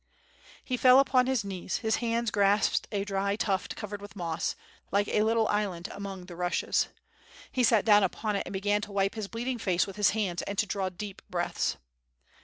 He fell upon his knees, his hands grasped a dry tuft covered with moss, like a little island among the rushes. He sat down upon it and began to wipe his bleeding face with his hands and to draw deep breaths.